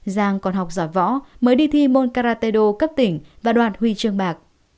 giang còn học giỏi võ mới đi thi môn karatedo cấp tỉnh và đoàn huy trương bạc